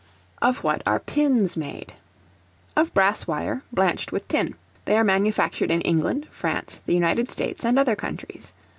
Of what are Pins made? Of brass wire, blanched with tin. They are manufactured in England, France, the United States, and other countries.